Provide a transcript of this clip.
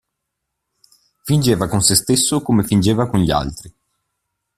Fingeva con sé stesso, come fingeva con gli altri.